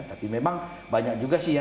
tapi memang banyak juga sih ya